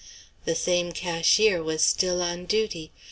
The same cashier was still on duty.